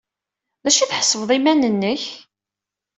D acu ay tḥesbeḍ iman-nnek?